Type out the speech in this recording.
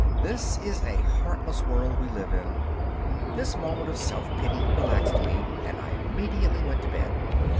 This is a heartless world we live in. This moment of self pity relaxed me and I immediately went to bed.